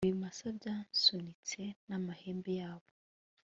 Ibimasa byansunitse namahembe yabo